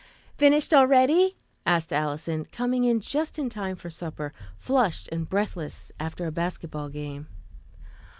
"Finished already?" asked Alison, coming in just in time for supper, flushed and breathless after a basketball game.